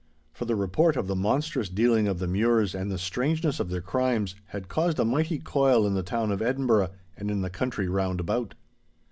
For the report of the monstrous dealing of the Mures and the strangeness of their crimes, had caused a mighty coil in the town of Edinburgh and in the country round about.